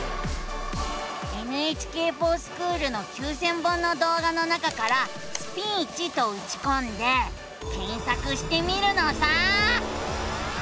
「ＮＨＫｆｏｒＳｃｈｏｏｌ」の９，０００本の動画の中から「スピーチ」とうちこんで検索してみるのさ！